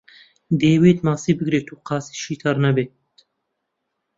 دەیەوێت ماسی بگرێت و قاچیشی تەڕ نەبێت.